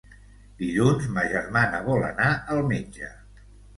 Dilluns ma germana vol anar al metge.